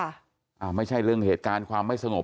อ่าไม่ใช่เรื่องเหตุการณ์ความไม่สงบ